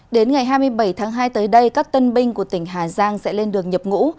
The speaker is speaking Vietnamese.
đến ngày hai mươi bảy tháng hai tới đây các tân binh của tỉnh hà giang sẽ lên đường nhập ngũ